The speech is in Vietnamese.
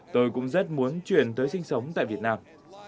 tôi cũng rất muốn chuyển tới sinh sống tại việt nam